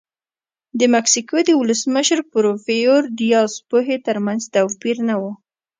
د مکسیکو د ولسمشر پورفیرو دیاز پوهې ترمنځ توپیر نه و.